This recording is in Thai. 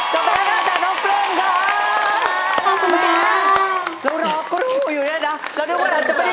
โฮลาเลโฮลาเลโฮลาเล